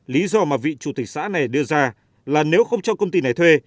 lý do mà vị chủ tịch xã này đưa ra là nếu không cho công ty này thuê